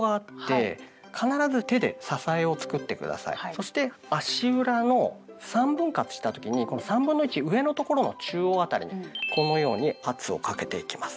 そして足裏の３分割した時にこの３分の１上のところの中央辺りにこのように圧をかけていきます。